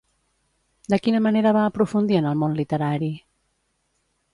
De quina manera va aprofundir en el món literari?